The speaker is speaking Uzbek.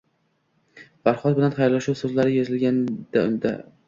Farhod bilan xayrlashuv so`zlari yozilgandi unga